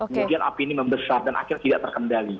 kemudian api ini membesar dan akhirnya tidak terkendali